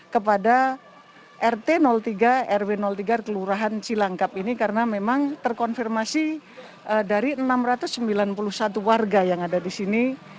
kepada rt tiga rw tiga kelurahan cilangkap ini karena memang terkonfirmasi dari enam ratus sembilan puluh satu warga yang ada di sini